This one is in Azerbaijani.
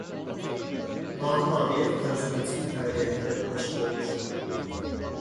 Nağı Nağıyev tərcüməçilik fəaliyyəti ilə də məşğul olmuşdur.